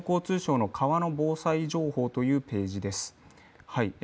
こちら国土交通省の川の防災情報というページです。